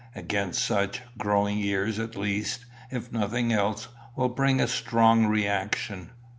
Against such, growing years at least, if nothing else, will bring a strong reaction.